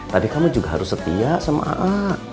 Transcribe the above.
tapi kamu juga harus setia sama a'a